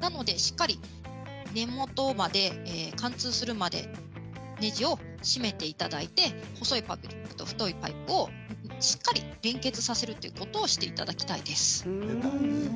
なので、しっかり根元まで貫通するまでねじを締めていただいて細いパイプと太いパイプをしっかり連結させるということをしていただきたいです。